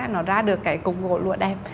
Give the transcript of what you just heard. nó ra được cái cục gỗ lũa đẹp